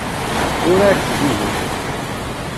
Uraret dihin.